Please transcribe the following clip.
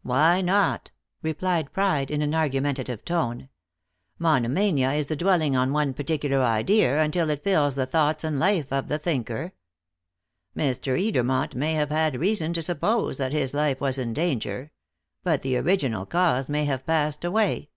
"Why not?" replied Pride in an argumentative tone. "Monomania is the dwelling on one particular idea until it fills the thoughts and life of the thinker. Mr. Edermont may have had reason to suppose that his life was in danger; but the original cause may have passed away.